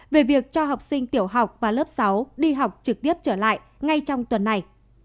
về việc cho học sinh tiểu học và lớp sáu đi học trực tiếp trở lại ngay trong tuần này